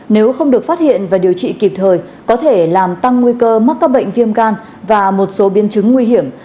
nếu không được phát hiện và điều trị kịp thời có thể làm tăng nguy cơ mắc các bệnh viêm gan và một số biên chứng nguy hiểm